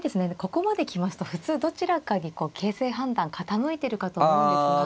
ここまで来ますと普通どちらかに形勢判断傾いてるかと思うんですが。